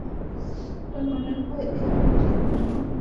তোমার মনে হয় এই মেশিনগুলো আমার সঙ্গে পাল্লা দিতে পারবে?